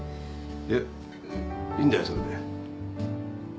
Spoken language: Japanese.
いやいいんだよそれで。